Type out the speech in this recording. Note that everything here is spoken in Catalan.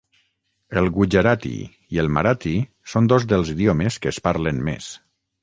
El gujarati i el marathi són dos dels idiomes que es parlen més.